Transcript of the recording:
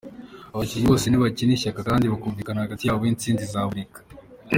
Abakinnyi bose nibakinana ishyaka kandi bakumvikana hagati yabo, intsinzi izaboneka.